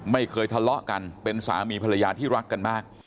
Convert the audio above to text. ไม่เคยทะเลาะกันเป็นสามีภรรยาที่รักกันมาก